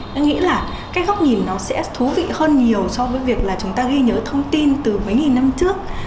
tôi nghĩ là cái góc nhìn nó sẽ thú vị hơn nhiều so với việc là chúng ta ghi nhớ thông tin từ mấy nghìn năm trước